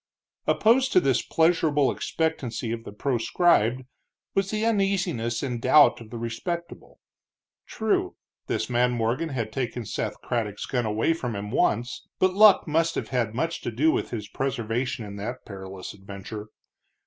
Opposed to this pleasurable expectancy of the proscribed was the uneasiness and doubt of the respectable. True, this man Morgan had taken Seth Craddock's gun away from him once, but luck must have had much to do with his preservation in that perilous adventure.